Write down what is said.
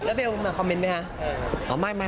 แล้วเบลมาคอมเมนต์ไหมคะ